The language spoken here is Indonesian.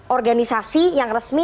organisasi yang resmi